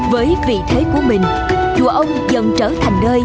với vị thế của mình chùa ông dần trở thành nơi